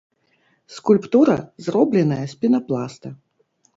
Скульптура зробленая з пенапласта.